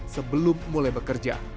sebelum mulai bekerja